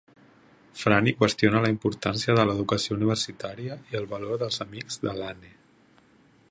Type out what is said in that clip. Franny qüestiona la importància de l'educació universitària i el valor dels amics de Lane.